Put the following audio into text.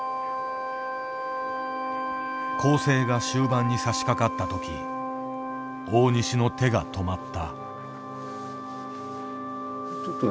校正が終盤にさしかかったとき大西の手が止まった。